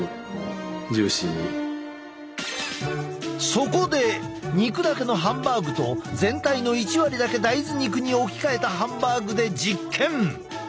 そこで肉だけのハンバーグと全体の１割だけ大豆肉に置き換えたハンバーグで実験！